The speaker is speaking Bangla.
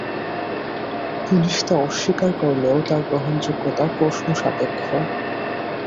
পুলিশ তা অস্বীকার করলেও তার গ্রহণযোগ্যতা প্রশ্নসাপেক্ষ।